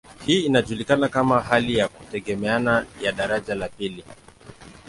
Hii inajulikana kama hali ya kutegemeana ya daraja la pili.